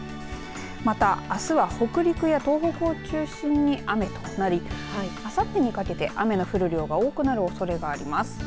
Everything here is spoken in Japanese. また、あすは北陸や東北を中心に雨となりあさってにかけて雨の降る量が多くなるおそれがあります。